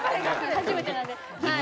初めてなんではい。